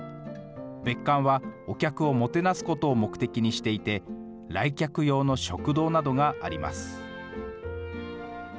別館はお客をもてなすことを目的にしていて、来客用の食堂などがあります。